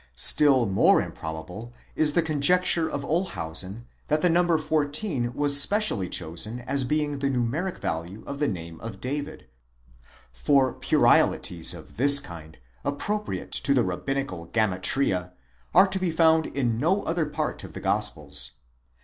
Still more improbable is the con jecture of Olshausen, that the number fourteen was specially chosen as being the numeric value of the name of David; for puerilities of this kind, appropriate to the rabbinical gematria, are to be found in no other part of the Gospels.